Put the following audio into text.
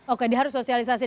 oke diharus sosialisasi